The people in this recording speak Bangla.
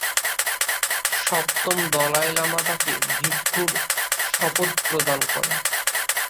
সপ্তম দলাই লামা তাকে ভিক্ষুর শপথ প্রদান করেন।